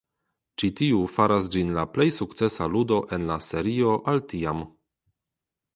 Ĉi tiu faras ĝin la plej sukcesa ludo en la serio al tiam.